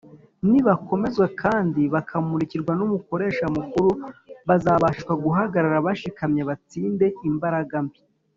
nibakomezwa kandi bakamurikirwa n’umukoresha mukuru, bazabashishwa guhagaraga bashikamye batsinde imbaraga mbi,